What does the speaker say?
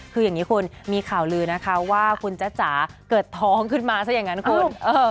คืออย่างนี้คุณมีข่าวลือนะคะว่าคุณจ๊ะจ๋าเกิดท้องขึ้นมาซะอย่างนั้นคุณ